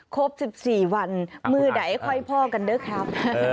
ครบ๑๔วันมือไหนค่อยพ่อกันเด้อครับ